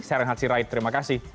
saya renhansi rai terima kasih